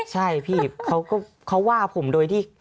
ใช่พี่เขาก็เขาว่าผมโดยที่